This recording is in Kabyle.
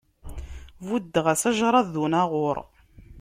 Buddeɣ-as ajṛad d unaɣur.